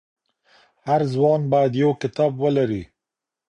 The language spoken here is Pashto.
هر ځوان بايد يو کتاب ولري.